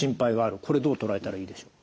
これどう捉えたらいいでしょう？